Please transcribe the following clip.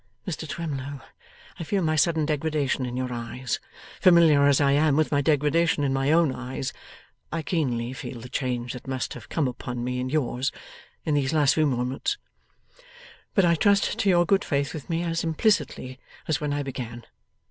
Mr Twemlow, I feel my sudden degradation in your eyes; familiar as I am with my degradation in my own eyes, I keenly feel the change that must have come upon me in yours, in these last few moments. But I trust to your good faith with me as implicitly as when I began.